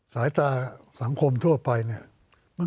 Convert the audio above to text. สายตาสังคมทั่วไปเนี่ย